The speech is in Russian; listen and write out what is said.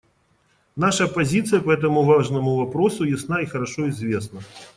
Наша позиция по этому важному вопросу ясна и хорошо известна.